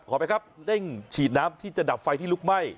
ไปครับเร่งฉีดน้ำที่จะดับไฟที่ลุกไหม้